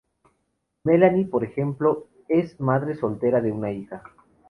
Melanie, por ejemplo, es madre soltera de una hija.